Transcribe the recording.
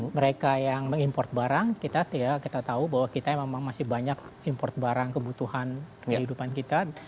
mereka yang mengimport barang kita tahu bahwa kita memang masih banyak import barang kebutuhan kehidupan kita